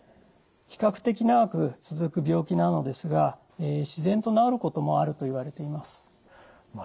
比較的長く続く病気なのですが自然と治ることもあるといわれています。